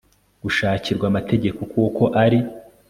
gushakirwa amategeko kuko ari